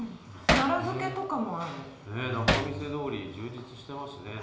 仲見世通り充実してますね。